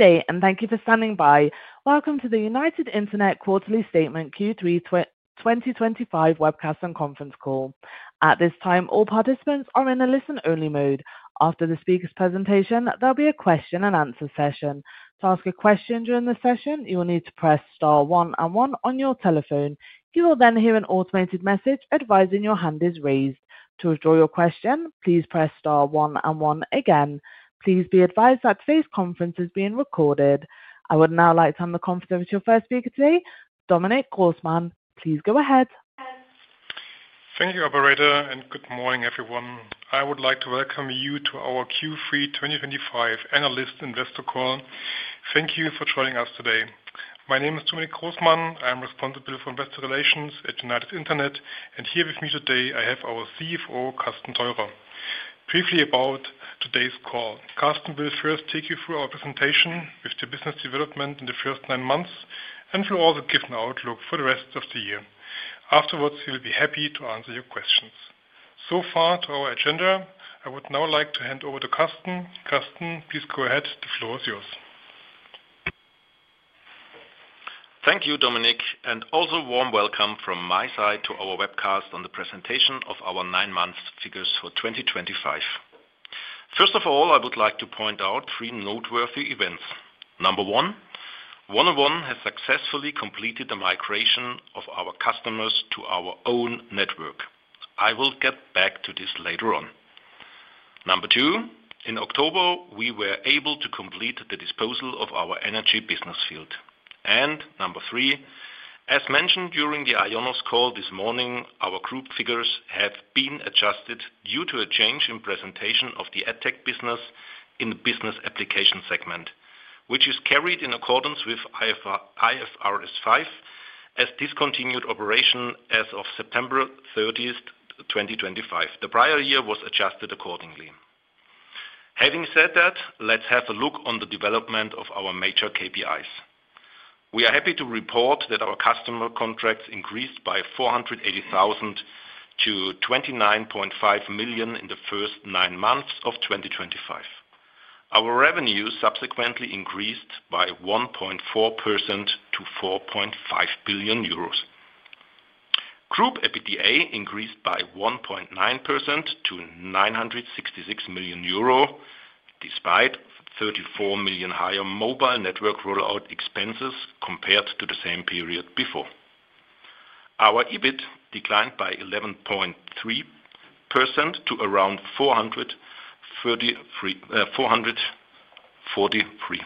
Good day, and thank you for standing by. Welcome to the United Internet quarterly statement Q3 2025 webcast and conference call. At this time, all participants are in a listen-only mode. After the speaker's presentation, there'll be a question-and-answer session. To ask a question during the session, you will need to press star one and one on your telephone. You will then hear an automated message advising your hand is raised. To withdraw your question, please press star one and one again. Please be advised that today's conference is being recorded. I would now like to hand the conference over to your first speaker today, Dominic Großmann. Please go ahead. Thank you, Operator, and good morning, everyone. I would like to welcome you to our Q3 2025 analyst investor call. Thank you for joining us today. My name is Dominic Großmann. I'm responsible for investor relations at United Internet, and here with me today, I have our CFO, Carsten Theurer. Briefly about today's call, Carsten will first take you through our presentation with the business development in the first nine months and will also give an outlook for the rest of the year. Afterwards, he will be happy to answer your questions. So far, to our agenda, I would now like to hand over to Carsten. Carsten, please go ahead. The floor is yours. Thank you, Dominic, and also a warm welcome from my side to our webcast on the presentation of our nine-month figures for 2025. First of all, I would like to point out three noteworthy events. Number one, 1&1 has successfully completed the migration of our customers to our own network. I will get back to this later on. Number two, in October, we were able to complete the disposal of our energy business field. Number three, as mentioned during the IONOS call this morning, our group figures have been adjusted due to a change in presentation of the EdTech business in the business application segment, which is carried in accordance with IFRS 5 as discontinued operation as of September 30th, 2025. The prior year was adjusted accordingly. Having said that, let's have a look on the development of our major KPIs. We are happy to report that our customer contracts increased by 480,000 to 29.5 million in the first nine months of 2025. Our revenue subsequently increased by 1.4% to 4.5 billion euros. Group EBITDA increased by 1.9% to 966 million euro, despite 34 million higher mobile network rollout expenses compared to the same period before. Our EBIT declined by 11.3% to around 443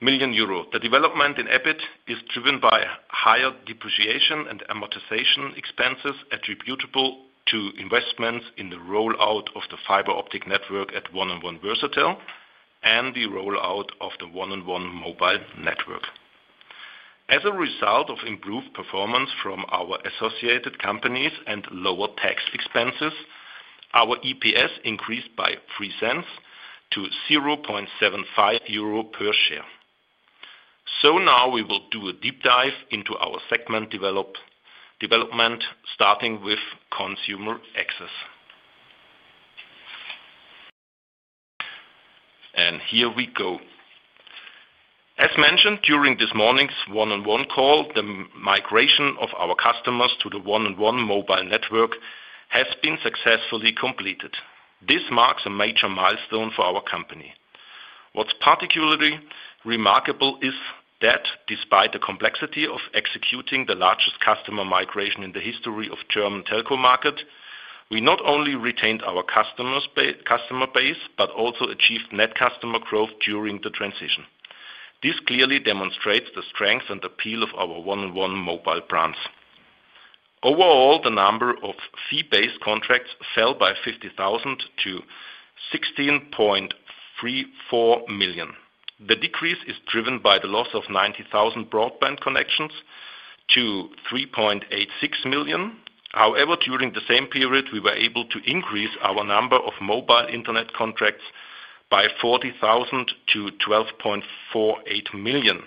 million euro. The development in EBIT is driven by higher depreciation and amortization expenses attributable to investments in the rollout of the fiber optic network at 1&1 Versatel and the rollout of the 1&1 mobile network. As a result of improved performance from our associated companies and lower tax expenses, our EPS increased by 0.03 to 0.75 euro per share. Now we will do a deep dive into our segment development, starting with consumer access. Here we go. As mentioned during this morning's 1&1 call, the migration of our customers to the 1&1 mobile network has been successfully completed. This marks a major milestone for our company. What's particularly remarkable is that, despite the complexity of executing the largest customer migration in the history of the German telco market, we not only retained our customer base but also achieved net customer growth during the transition. This clearly demonstrates the strength and appeal of our 1&1 mobile brands. Overall, the number of fee-based contracts fell by 50,000 to 16.34 million. The decrease is driven by the loss of 90,000 broadband connections to 3.86 million. However, during the same period, we were able to increase our number of mobile internet contracts by 40,000 to 12.48 million.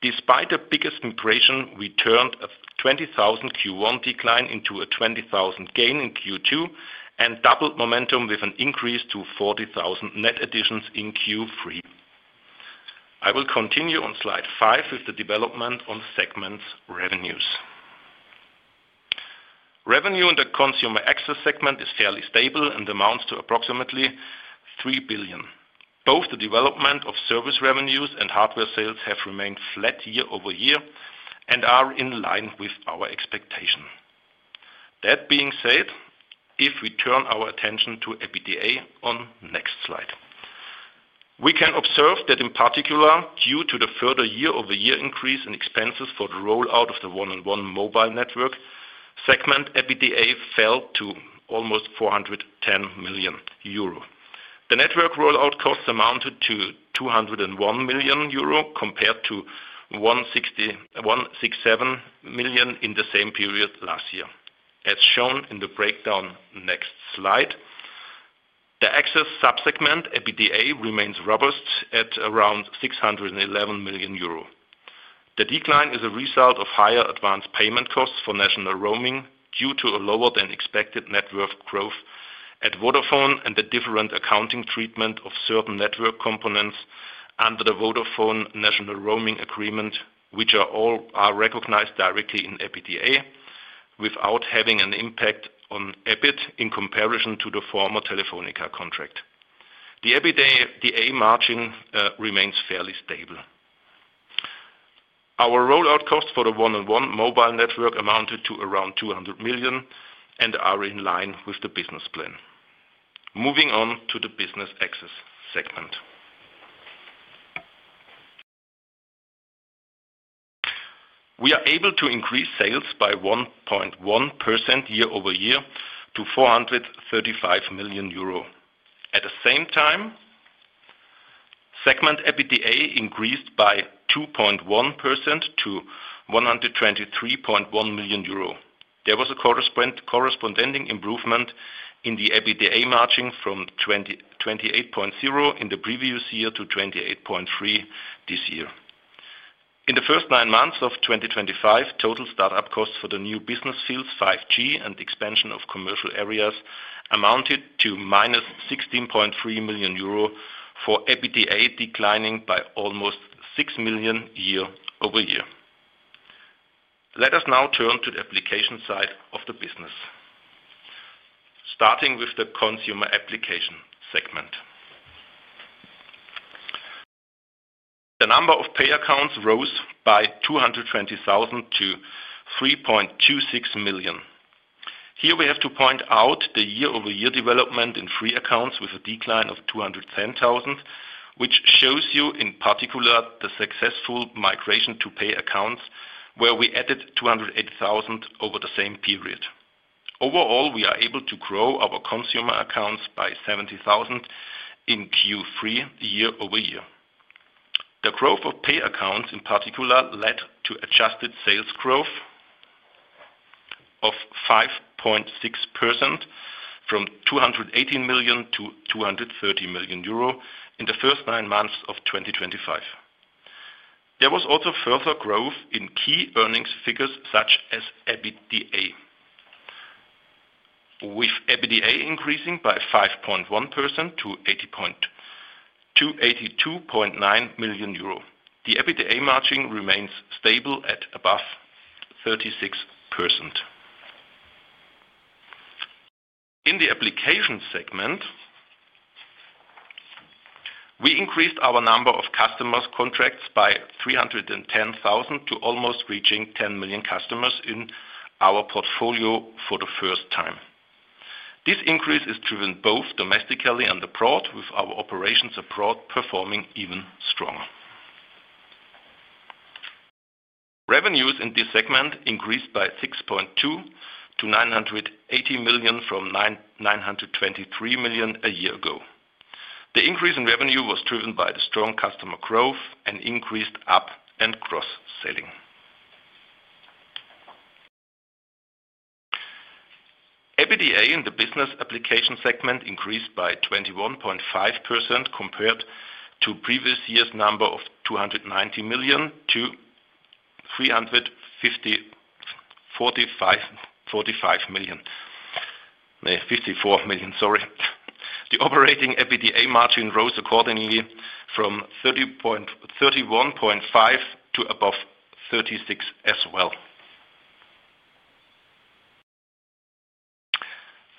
Despite the biggest migration, we turned a 20,000 Q1 decline into a 20,000 gain in Q2 and doubled momentum with an increase to 40,000 net additions in Q3. I will continue on slide five with the development on segments revenues. Revenue in the consumer access segment is fairly stable and amounts to approximately 3 billion. Both the development of service revenues and hardware sales have remained flat year-over-year and are in line with our expectation. That being said, if we turn our attention to EBITDA on the next slide, we can observe that, in particular, due to the further year-over-year increase in expenses for the rollout of the 1&1 mobile network segment, EBITDA fell to almost 410 million euro. The network rollout costs amounted to 201 million euro compared to 167 million in the same period last year, as shown in the breakdown next slide. The access subsegment EBITDA remains robust at around 611 million euro. The decline is a result of higher advance payment costs for national roaming due to a lower-than-expected net worth growth at Vodafone and the different accounting treatment of certain network components under the Vodafone national roaming agreement, which are all recognized directly in EBITDA without having an impact on EBIT in comparison to the former Telefónica contract. The EBITDA margin remains fairly stable. Our rollout costs for the 1&1 mobile network amounted to around 200 million and are in line with the business plan. Moving on to the business access segment. We are able to increase sales by 1.1% year-over-year to 435 million euro. At the same time, segment EBITDA increased by 2.1% to 123.1 million euro. There was a corresponding improvement in the EBITDA margin from 28.0% in the previous year to 28.3% this year. In the first nine months of 2025, total startup costs for the new business fields, 5G and expansion of commercial areas, amounted to -16.3 million euro for EBITDA, declining by almost 6 million year-over-year. Let us now turn to the application side of the business, starting with the consumer application segment. The number of pay accounts rose by 220,000 to 3.26 million. Here we have to point out the year-over-year development in free accounts with a decline of 210,000, which shows you in particular the successful migration to pay accounts where we added 280,000 over the same period. Overall, we are able to grow our consumer accounts by 70,000 in Q3 year-over-year. The growth of pay accounts in particular led to adjusted sales growth of 5.6% from 218 million to 230 million euro in the first nine months of 2025. There was also further growth in key earnings figures such as EBITDA, with EBITDA increasing by 5.1% to 82.9 million euro. The EBITDA margin remains stable at above 36%. In the application segment, we increased our number of customer contracts by 310,000 to almost reaching 10 million customers in our portfolio for the first time. This increase is driven both domestically and abroad, with our operations abroad performing even stronger. Revenues in this segment increased by 6.2% to 980 million from 923 million a year ago. The increase in revenue was driven by the strong customer growth and increased up and cross-selling. EBITDA in the business application segment increased by 21.5% compared to previous year's number of 290 million to 45 million. The operating EBITDA margin rose accordingly from 31.5% to above 36% as well.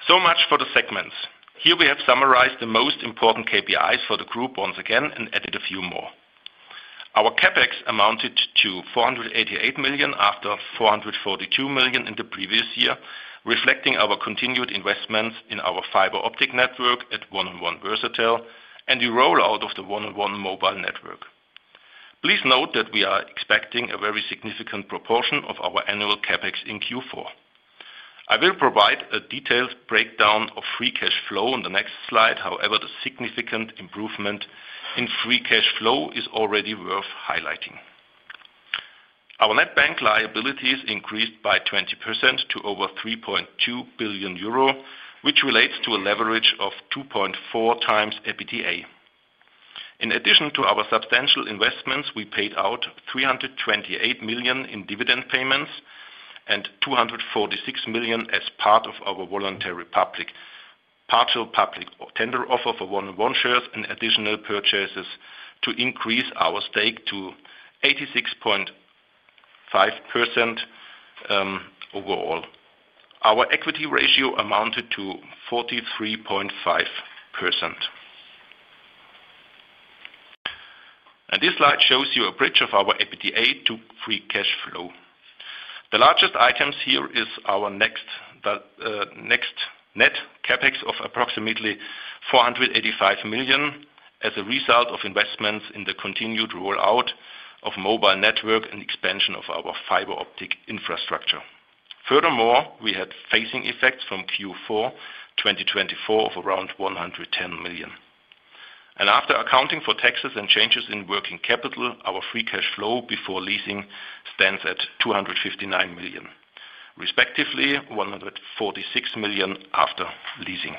So much for the segments. Here we have summarized the most important KPIs for the group once again and added a few more. Our CapEx amounted to 488 million after 442 million in the previous year, reflecting our continued investments in our fiber optic network at 1&1 Versatel and the rollout of the 1&1 mobile network. Please note that we are expecting a very significant proportion of our annual CapEx in Q4. I will provide a detailed breakdown of free cash flow on the next slide. However, the significant improvement in free cash flow is already worth highlighting. Our net bank liabilities increased by 20% to over 3.2 billion euro, which relates to a leverage of 2.4x EBITDA. In addition to our substantial investments, we paid out 328 million in dividend payments and 246 million as part of our voluntary public partial public tender offer for 1&1 shares and additional purchases to increase our stake to 86.5% overall. Our equity ratio amounted to 43.5%. This slide shows you a bridge of our EBITDA to free cash flow. The largest items here is our net CapEx of approximately 485 million as a result of investments in the continued rollout of mobile network and expansion of our fiber optic infrastructure. Furthermore, we had phasing effects from Q4 2024 of around 110 million. After accounting for taxes and changes in working capital, our free cash flow before leasing stands at 259 million, respectively 146 million after leasing.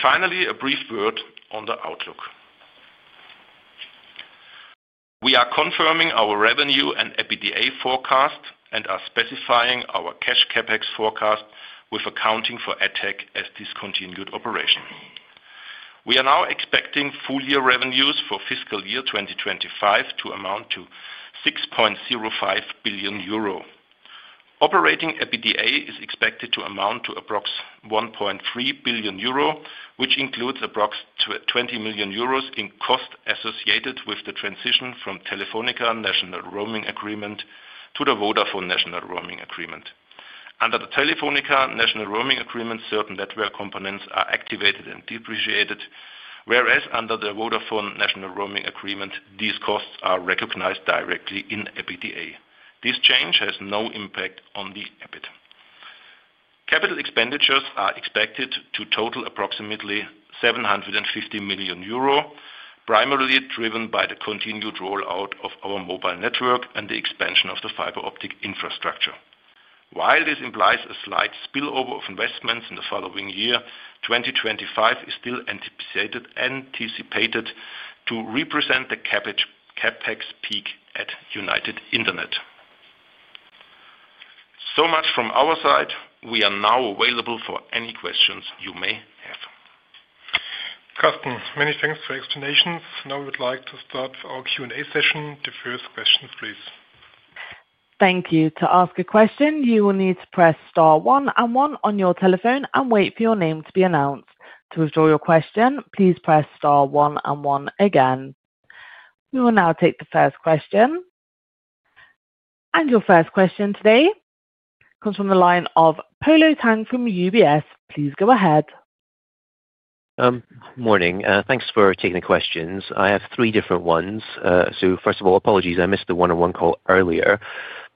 Finally, a brief word on the outlook. We are confirming our revenue and EBITDA forecast and are specifying our cash CapEx forecast with accounting for EdTech as discontinued operation. We are now expecting full year revenues for fiscal year 2025 to amount to 6.05 billion euro. Operating EBITDA is expected to amount to approximately 1.3 billion euro, which includes approximately 20 million euros in cost associated with the transition from the Telefónica National Roaming Agreement to the Vodafone National Roaming Agreement. Under the Telefónica National Roaming Agreement, certain network components are activated and depreciated, whereas under the Vodafone National Roaming Agreement, these costs are recognized directly in EBITDA. This change has no impact on the EBITDA. Capital expenditures are expected to total approximately 750 million euro, primarily driven by the continued rollout of our mobile network and the expansion of the fiber optic infrastructure. While this implies a slight spillover of investments in the following year, 2025 is still anticipated to represent the CapEx peak at United Internet. So much from our side. We are now available for any questions you may have. Carsten, many thanks for your explanations. Now we would like to start our Q&A session. The first question, please. Thank you. To ask a question, you will need to press star one and one on your telephone and wait for your name to be announced. To withdraw your question, please press star one and one again. We will now take the first question. Your first question today comes from the line of Polo Tang from UBS. Please go ahead. Morning. Thanks for taking the questions. I have three different ones. First of all, apologies. I missed the 1&1 call earlier.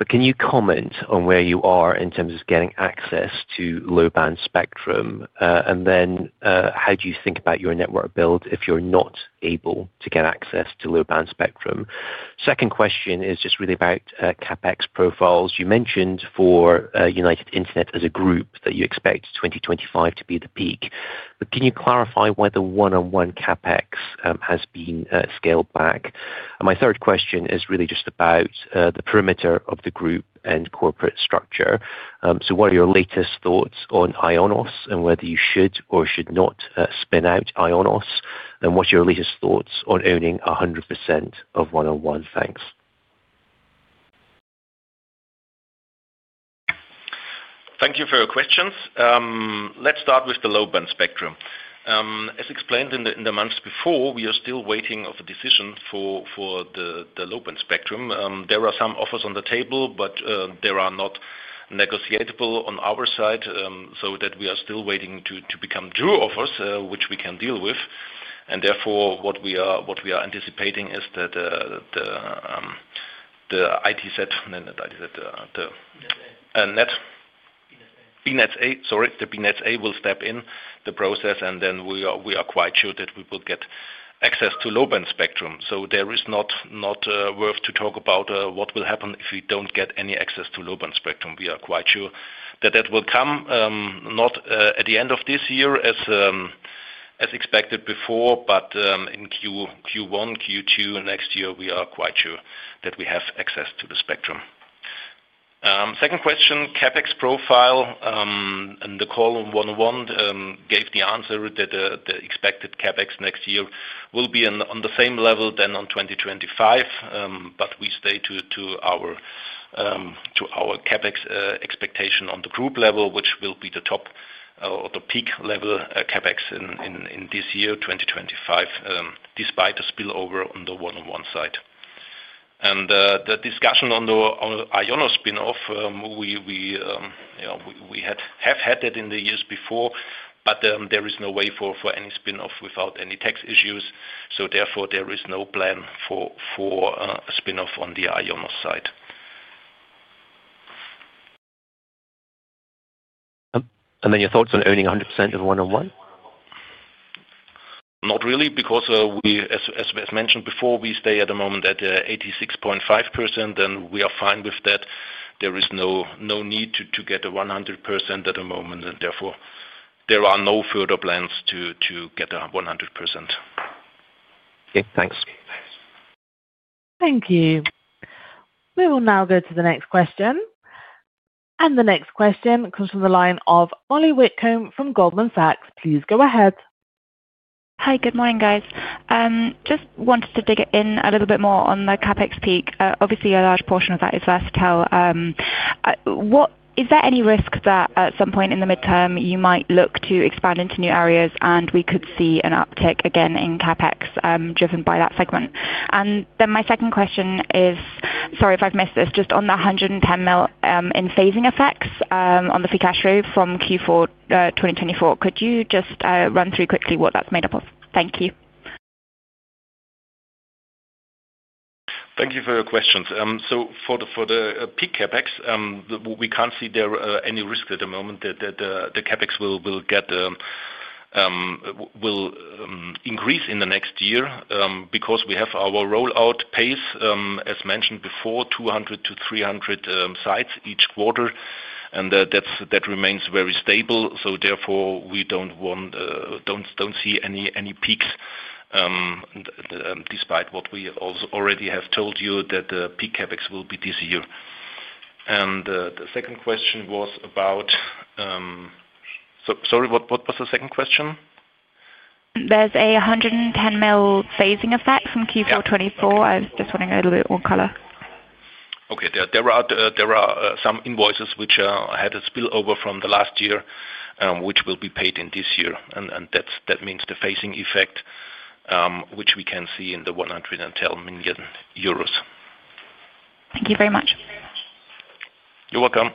Can you comment on where you are in terms of getting access to low band spectrum? How do you think about your network build if you're not able to get access to low band spectrum? Second question is just really about CapEx profiles. You mentioned for United Internet as a group that you expect 2025 to be the peak. Can you clarify whether 1&1 CapEx has been scaled back? My third question is really just about the perimeter of the group and corporate structure. What are your latest thoughts on IONOS and whether you should or should not spin out IONOS? What's your latest thoughts on owning 100% of 1&1? Thanks. Thank you for your questions. Let's start with the low band spectrum. As explained in the months before, we are still waiting for a decision for the low band spectrum. There are some offers on the table, but they are not negotiable on our side, so we are still waiting to become true offers, which we can deal with. Therefore, what we are anticipating is that the BNetzA will step in the process, and then we are quite sure that we will get access to low band spectrum. There is not worth to talk about what will happen if we do not get any access to low band spectrum. We are quite sure that that will come not at the end of this year as expected before, but in Q1, Q2 next year, we are quite sure that we have access to the spectrum. Second question, CapEx profile. The call on 1&1 gave the answer that the expected CapEx next year will be on the same level as in 2025, but we stay to our CapEx expectation on the group level, which will be the top or the peak level CapEx in this year, 2025, despite the spillover on the 1&1 side. The discussion on the IONOS spinoff, we have had that in the years before, but there is no way for any spinoff without any tax issues. Therefore, there is no plan for a spinoff on the IONOS side. Your thoughts on owning 100% of 1&1? Not really, because as mentioned before, we stay at the moment at 86.5%, and we are fine with that. There is no need to get 100% at the moment, and therefore, there are no further plans to get 100%. Okay. Thanks. Thank you. We will now go to the next question. The next question comes from the line of Mollie Witcombe from Goldman Sachs. Please go ahead. Hi, good morning, guys. Just wanted to dig in a little bit more on the CapEx peak. Obviously, a large portion of that is Versatel. Is there any risk that at some point in the midterm you might look to expand into new areas, and we could see an uptick again in CapEx driven by that segment? My second question is, sorry if I've missed this, just on the 110 million in phasing effects on the free cash flow from Q4 2024, could you just run through quickly what that's made up of? Thank you. Thank you for your questions. For the peak CapEx, we can't see there any risk at the moment that the CapEx will increase in the next year because we have our rollout pace, as mentioned before, 200-300 sites each quarter, and that remains very stable. Therefore, we don't see any peaks despite what we already have told you that the peak CapEx will be this year. The second question was about—sorry, what was the second question? There's a 110 million phasing effect from Q4 2024. I was just wanting a little bit more color. Okay. There are some invoices which had a spillover from last year, which will be paid in this year. That means the phasing effect, which we can see in the 110 million euros. Thank you very much. You're welcome.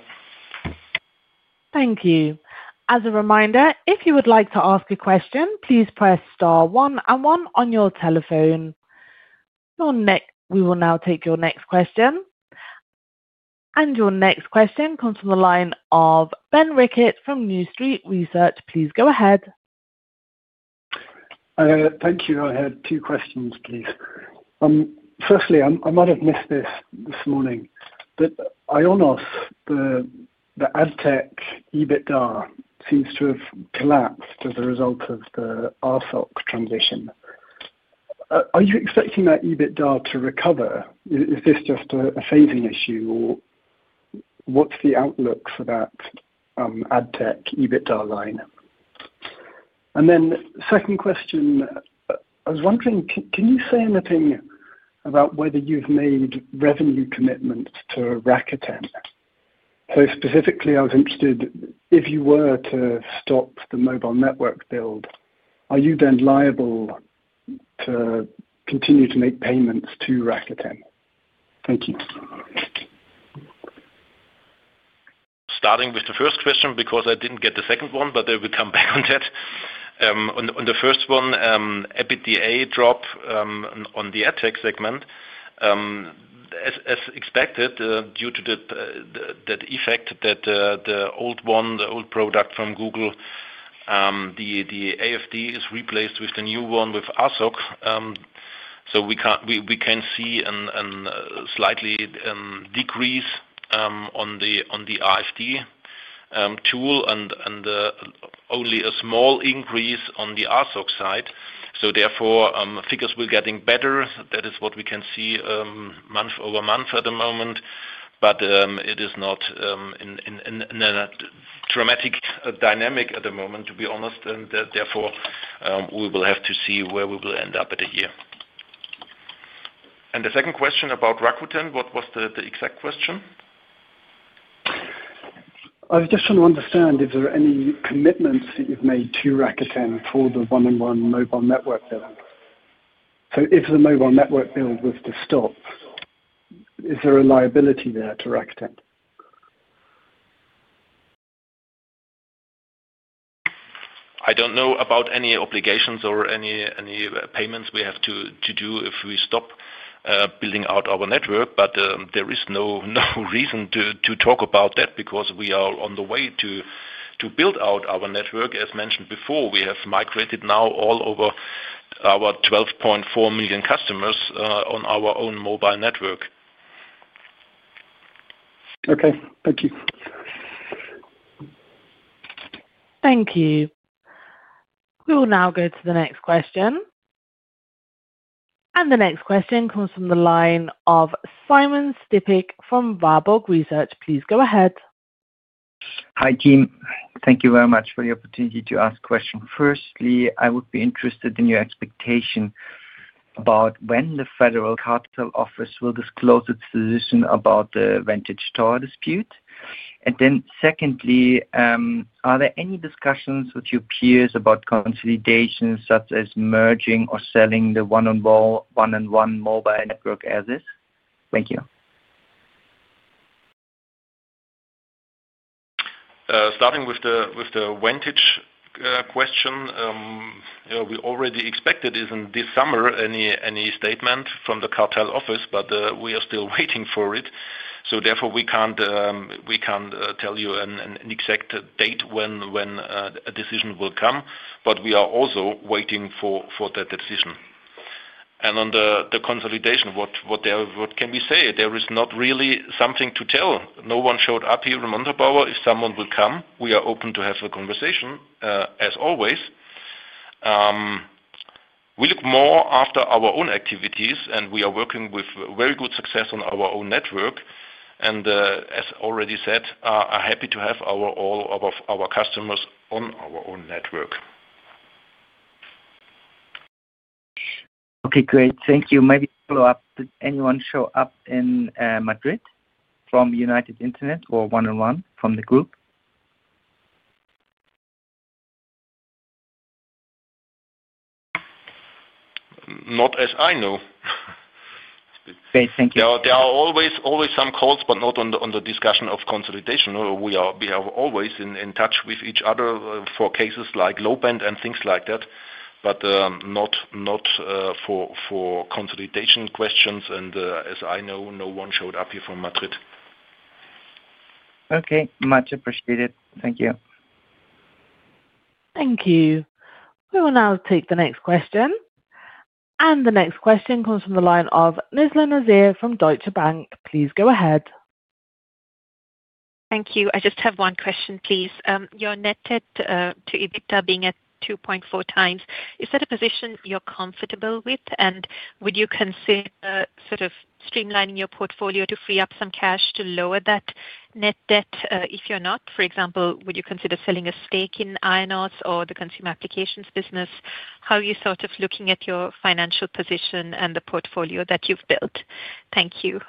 Thank you. As a reminder, if you would like to ask a question, please press star one and one on your telephone. We will now take your next question. Your next question comes from the line of Ben Rickett from New Street Research. Please go ahead. Thank you. I had two questions, please. Firstly, I might have missed this this morning, but IONOS, the AdTech EBITDA seems to have collapsed as a result of the ASOC transition. Are you expecting that EBITDA to recover? Is this just a phasing issue, or what is the outlook for that AdTech EBITDA line? The second question, I was wondering, can you say anything about whether you have made revenue commitments to Rakuten? Specifically, I was interested, if you were to stop the mobile network build, are you then liable to continue to make payments to Rakuten? Thank you. Starting with the first question because I did not get the second one, but I will come back on that. On the first one, EBITDA drop on the AdTech segment. As expected, due to that effect that the old one, the old product from Google, the AFD is replaced with the new one with ASOC. We can see a slight decrease on the RFD tool and only a small increase on the ASOC side. Therefore, figures were getting better. That is what we can see month over month at the moment. It is not in a dramatic dynamic at the moment, to be honest. Therefore, we will have to see where we will end up at a year. The second question about Rakuten, what was the exact question? I just want to understand, is there any commitments that you've made to Rakuten for the 1&1 mobile network build? If the mobile network build was to stop, is there a liability there to Rakuten? I don't know about any obligations or any payments we have to do if we stop building out our network, but there is no reason to talk about that because we are on the way to build out our network. As mentioned before, we have migrated now all over our 12.4 million customers on our own mobile network. Okay. Thank you. Thank you. We will now go to the next question. The next question comes from the line of Simon Stippig from Warburg Research. Please go ahead. Hi, Jim. Thank you very much for the opportunity to ask a question. Firstly, I would be interested in your expectation about when the Federal Capital Office will disclose its position about the Vantage Towers dispute. Secondly, are there any discussions with your peers about consolidations such as merging or selling the 1&1 mobile network as is? Thank you. Starting with the Vantage question, we already expected this summer any statement from the Capital Office, but we are still waiting for it. Therefore, we can't tell you an exact date when a decision will come, but we are also waiting for that decision. On the consolidation, what can we say? There is not really something to tell. No one showed up here in Montabaur. If someone will come, we are open to have a conversation, as always. We look more after our own activities, and we are working with very good success on our own network. As already said, we are happy to have all of our customers on our own network. Okay. Great. Thank you. Maybe follow-up. Did anyone show up in Madrid from United Internet or 1&1 from the group? Not as I know. Great. Thank you. There are always some calls, but not on the discussion of consolidation. We are always in touch with each other for cases like low band and things like that, but not for consolidation questions. As I know, no one showed up here from Madrid. Okay. Much appreciated. Thank you. Thank you. We will now take the next question. The next question comes from the line of Nizla Naizer from Deutsche Bank. Please go ahead. Thank you. I just have one question, please. Your net debt to EBITDA being at 2.4x, is that a position you're comfortable with? Would you consider sort of streamlining your portfolio to free up some cash to lower that net debt if you're not? For example, would you consider selling a stake in IONOS or the consumer applications business? How are you sort of looking at your financial position and the portfolio that you've built? Thank you.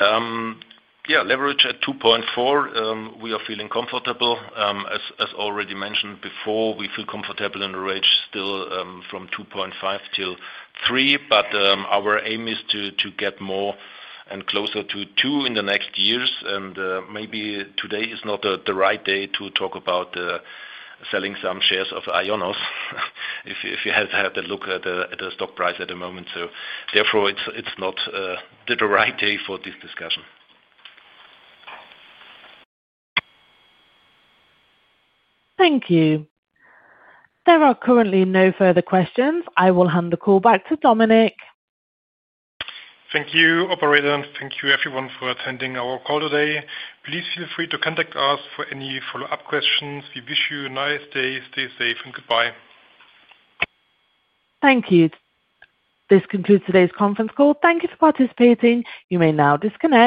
Yeah. Leverage at 2.4x. We are feeling comfortable. As already mentioned before, we feel comfortable in a range still from 2.5x-3x, but our aim is to get more and closer to 2x in the next years. Maybe today is not the right day to talk about selling some shares of IONOS if you have had a look at the stock price at the moment. Therefore, it's not the right day for this discussion. Thank you. There are currently no further questions. I will hand the call back to Dominic. Thank you, Operator. Thank you, everyone, for attending our call today. Please feel free to contact us for any follow-up questions. We wish you a nice day. Stay safe and goodbye. Thank you. This concludes today's conference call. Thank you for participating. You may now disconnect.